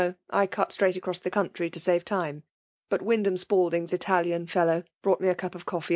— 'I cut straight across the tountiy, to save time; but Wyndham Spalding*a Ite&ihi fellow brought me a cup of coffee.